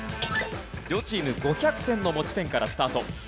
両チーム５００点の持ち点からスタート。